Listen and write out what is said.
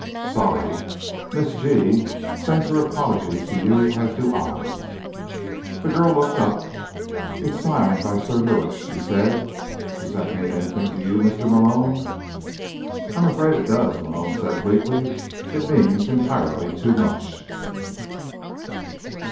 Sorry. Miss G. sends her apologies to you, as do I." The girl looked up. "It's signed by Sir Lewis," she said. "Does that mean anything to you, Mr. Malone?" "I'm afraid it does," Malone said bleakly. "It means entirely too much."